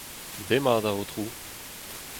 Demat Aotrou !